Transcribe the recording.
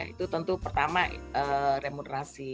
itu tentu pertama remunerasi